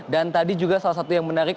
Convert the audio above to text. tadi juga salah satu yang menarik